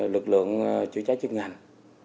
lực lượng chữa cháy chuyên ngành